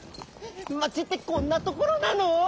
町ってこんなところなの？